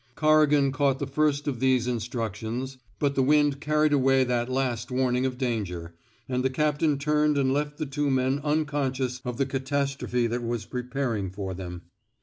Corrigan caught the first of these instruc tions, but the wind carried away that last warning of danger, and the captain turned 199 THE SMOKE EATERS and left the two men unconscious of the cat astrophe that was preparing for them.